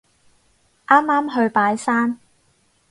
啱啱去拜山